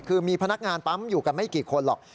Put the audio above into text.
คือมีพนักงานปั๊มอยู่กันไม่กี่คนหรอก